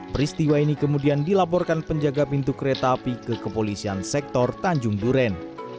peristiwa ini kemudian dilaporkan penjaga pintu kereta api ke kepolisian sektor tanjung duren